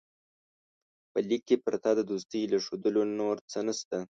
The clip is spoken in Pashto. په لیک کې پرته د دوستۍ له ښودلو نور څه نسته.